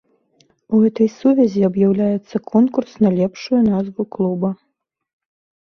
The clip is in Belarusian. У гэтай сувязі аб'яўляецца конкурс на лепшую назву клуба.